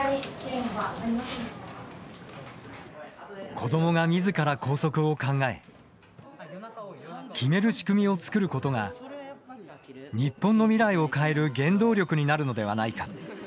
子どもがみずから校則を考え決める仕組みを作ることが日本の未来を変える原動力になるのではないか。